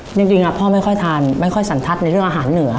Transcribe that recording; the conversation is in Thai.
จริงพ่อไม่ค่อยทานไม่ค่อยสันทัศน์ในเรื่องอาหารเหนือ